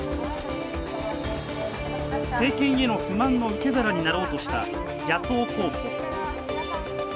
政権への不満の受け皿になろうとした野党候補。